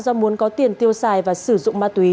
do muốn có tiền tiêu xài và sử dụng ma túy